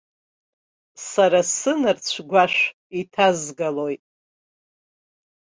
Сара сынарцә-гәашә иҭазгалоит!